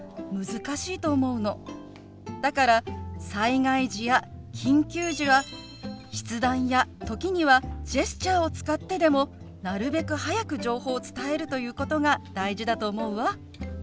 だから災害時や緊急時は筆談や時にはジェスチャーを使ってでもなるべく早く情報を伝えるということが大事だと思うわ。